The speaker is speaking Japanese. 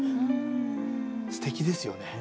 すてきですよね。